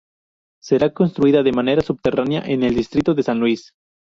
Será construida de manera subterránea en el distrito de San Luis.